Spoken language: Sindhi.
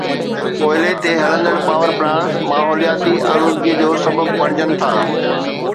ڪوئلي تي هلندڙ پاور پلانٽس ماحولياتي آلودگي جو سبب بڻجن ٿا.